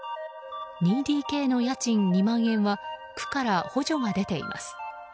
２ＤＫの家賃２万円は区から補助が出ています。